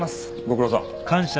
ご苦労さん。